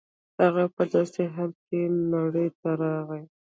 هغه په داسې حال کې نړۍ ته راغی